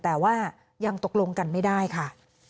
แต่ว่ายังตกลงกันไม่ได้ค่ะ